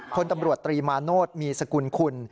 พลตำรวจตรีมาโนธมีสกุลคุณ